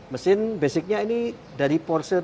mesin basicnya ini dari porsche tiga ratus lima puluh enam